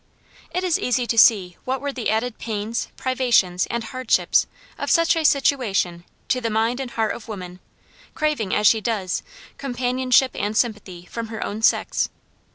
It is easy to see what were the added pains, privations, and hardships of such a situation to the mind and heart of woman, craving, as she does, companionship and sympathy from her own sex.